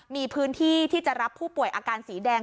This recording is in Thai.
มีพื้นที่ที่จะรับผู้ป่วยอาการสีแดง